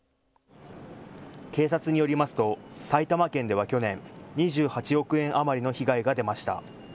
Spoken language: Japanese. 警察によりますと埼玉県では去年、２８億円余りの被害が出ました。